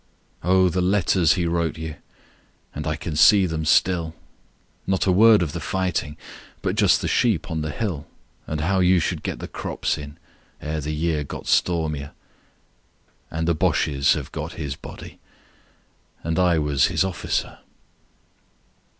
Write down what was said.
Oh, the letters he wrote you, And I can see them still. Not a word of the fighting But just the sheep on the hill And how you should get the crops in Ere the year got stormier, 40 And the Bosches have got his body. And I was his officer.